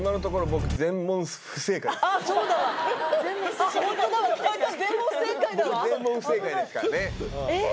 僕全問不正解ですからねえっ！？